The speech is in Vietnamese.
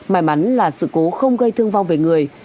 may mắn là sự cố không gây thương vong về người